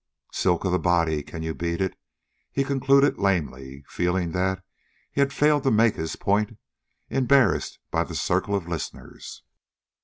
"Silk of the body, can you beat it?" he concluded lamely, feeling that he had failed to make his point, embarrassed by the circle of listeners.